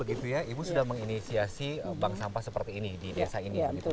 ibu sudah menginisiasi bank sampah seperti ini di desa ini